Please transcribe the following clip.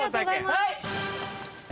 はい！